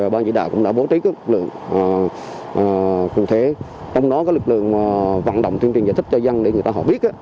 các lực lượng cũng đã bố trí các lực lượng trong đó các lực lượng vận động tuyên truyền giải thích cho dân để người ta họ biết